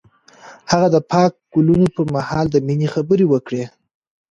هغه د پاک ګلونه پر مهال د مینې خبرې وکړې.